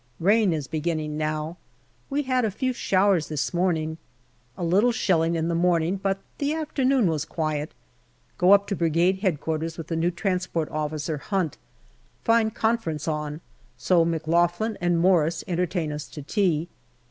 Rain is beginning now. We had a few showers this morning. A little shelling in the morning, but the afternoon was quiet. Go up to Brigade H.Q. with the new Transport Officer, Hunt. Find confer ence on, so McLaughlin and Morris entertain us to tea.